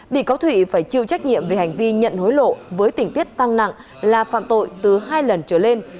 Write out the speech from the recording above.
bị cáo thủy phải chịu trách nhiệm về hành vi nhận hối lộ với tỉnh tiết tăng nặng là phạm tội từ hai lần trở lên